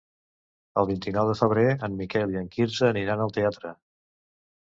El vint-i-nou de febrer en Miquel i en Quirze aniran al teatre.